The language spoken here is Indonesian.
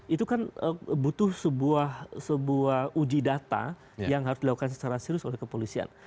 itu kan butuh sebuah uji data yang harus dilakukan secara serius oleh kepolisian